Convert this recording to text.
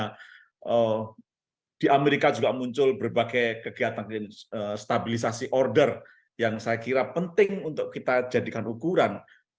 karena di amerika juga muncul berbagai kegiatan stabilisasi order yang saya kira penting untuk kita jadikan ukuran